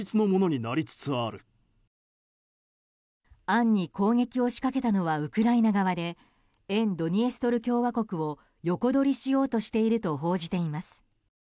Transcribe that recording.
暗に攻撃を仕掛けたのはウクライナ側で沿ドニエストル共和国を横取りしようとしていると報じています。